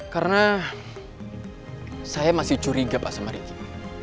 karena saya masih curiga pak sama ricky